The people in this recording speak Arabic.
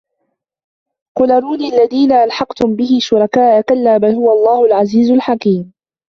قُلْ أَرُونِيَ الَّذِينَ أَلْحَقْتُمْ بِهِ شُرَكَاءَ كَلَّا بَلْ هُوَ اللَّهُ الْعَزِيزُ الْحَكِيمُ